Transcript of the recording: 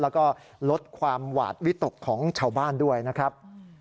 แล้วก็ลดความหวาดวิตกของชาวบ้านด้วยนะครับ